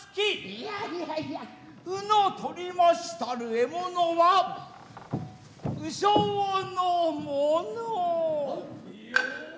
いやいやいや鵜の獲りましたる獲物は鵜匠のもの。